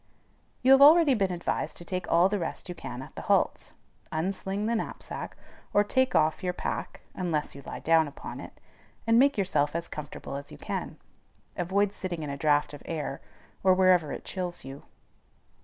You have already been advised to take all the rest you can at the halts. Unsling the knapsack, or take off your pack (unless you lie down upon it), and make yourself as comfortable as you can. Avoid sitting in a draught of air, or wherever it chills you.